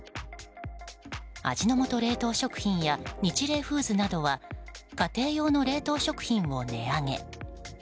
味の素冷凍食品やニチレイフーズなどは家庭用の冷凍食品を値上げ。